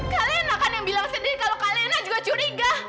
kak lena kan yang bilang sendiri kalau kak lena juga curiga